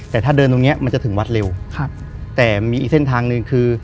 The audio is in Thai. แต่ถ้าเดินตรงเนี้ยมันจะถึงวัดเร็วครับแต่มีอีกเส้นทางหนึ่งคือ